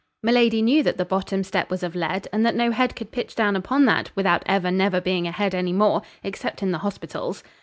Miladi knew that the bottom step was of lead, and that no head could pitch down upon that, without ever never being a head any more, except in the hospitals.